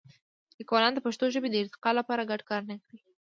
لیکوالان د پښتو ژبې د ارتقا لپاره ګډ کار نه کوي.